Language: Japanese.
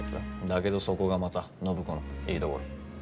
だけどそこがまた暢子のいいところ。